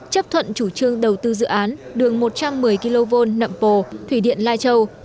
chấp thuận chủ trương đầu tư dự án đường một trăm một mươi kv nậm pồ thủy điện lai châu